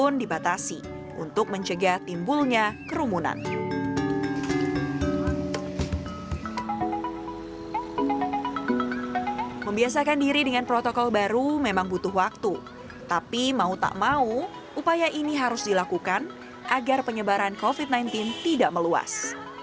namun upaya ini harus dilakukan agar penyebaran covid sembilan belas tidak meluas